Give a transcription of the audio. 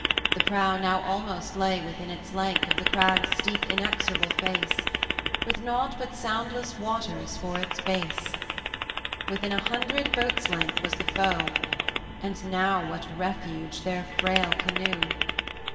The prow now almost lay within its length Of the crag's steep inexorable face, With nought but soundless waters for its base; 50 Within a hundred boats' length was the foe, And now what refuge but their frail canoe?